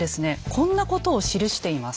こんなことを記しています。